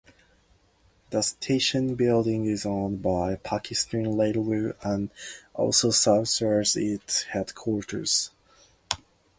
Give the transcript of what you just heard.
The station building is owned by Pakistan Railways and also serves as its headquarters.